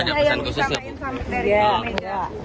tidak ada pesan khusus